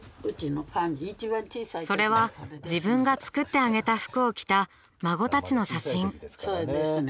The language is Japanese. それは自分が作ってあげた服を着た孫たちの写真。